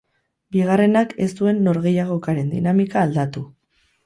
Bigarrenak ez zuen norgehiagokaren dinamika aldatu.